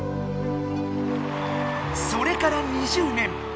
それから２０年。